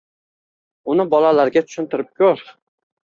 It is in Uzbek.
uni bolalarga tushuntirib ko‘r.